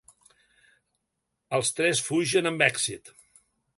Els tres fugen amb èxit.